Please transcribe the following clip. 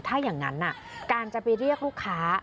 ถ้าอย่างนั้นการจะไปเรียกลูกค้า